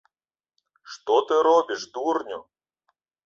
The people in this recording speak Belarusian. Што ты робіш, дурню?!